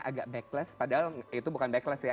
agak backless padahal itu bukan backless ya